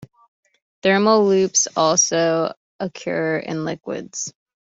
Thermal loops also occur in liquids.